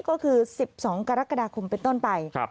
ก็คือ๑๒กรกฎาคมเป็นต้นไป